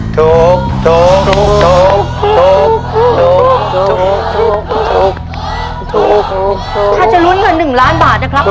ถูกถูกถูกถูกถูกถูกถูกถูกถูกถูกถูก